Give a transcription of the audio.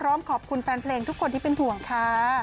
พร้อมขอบคุณแฟนเพลงทุกคนที่เป็นห่วงค่ะ